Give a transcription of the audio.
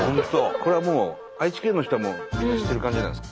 これはもう愛知県の人はみんな知ってる感じなんですか？